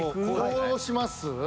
こうします？